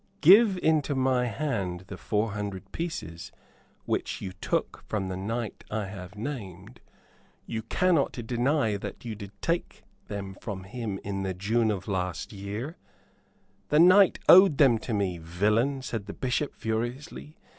Give into my hand the four hundred pieces which you took from the knight I have named. You cannot deny that you did take them from him in the June of last year?" "The knight owed them to me, villain," said the Bishop, furiously.